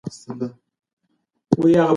تاسو باید د وطن د دفاع لپاره قرباني ورکړئ.